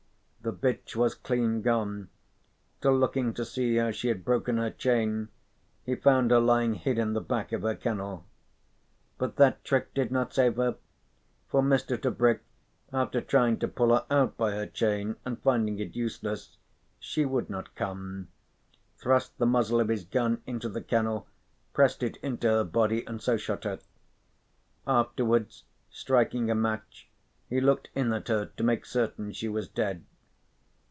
The bitch was clean gone, till, looking to see how she had broken her chain, he found her lying hid in the back of her kennel. But that trick did not save her, for Mr. Tebrick, after trying to pull her out by her chain and finding it useless she would not come, thrust the muzzle of his gun into the kennel, pressed it into her body and so shot her. Afterwards, striking a match, he looked in at her to make certain she was dead.